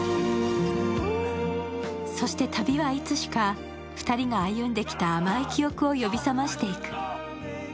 そして旅はいつしか２人が歩んできた甘い記憶を呼び覚ましていく。